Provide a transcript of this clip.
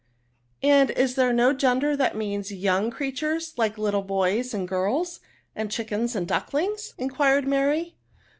'' And is there no gender that means young creatures, like little boys and girls, and chickens and ducklings?" enquired Maiy.